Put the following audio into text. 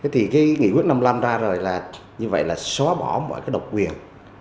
thì cái nghị quyết năm nhem ra rồi là như vậy là xóa bỏ mọi cái độc quyền